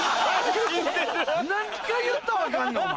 何回言ったら分かんのお前。